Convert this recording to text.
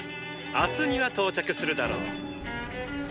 明日には到着するだろう！